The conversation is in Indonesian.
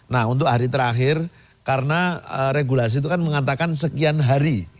nah untuk hari terakhir karena regulasi itu kan mengatakan sekian hari